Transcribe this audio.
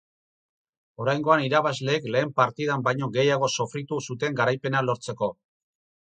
Oraingoan irabazleek lehen partidan baino gehiago sofritu zuten garaipena lortzeko.